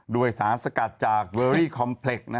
โดยสารสกัดจากเวอรี่คอมเพล็ก